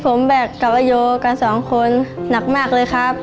ผมแบกกับอายุกันสองคนหนักมากเลยครับ